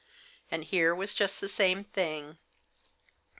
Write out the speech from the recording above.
And here was just the same thing.